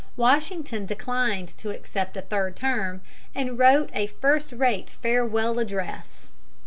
Washington declined to accept a third term, and wrote a first rate farewell address.